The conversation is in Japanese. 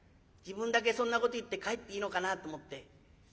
自分だけそんなこと言って帰っていいのかなと思って。